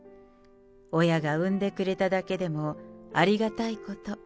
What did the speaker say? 親が産んでくれただけでもありがたいこと。